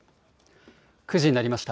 ９時になりました。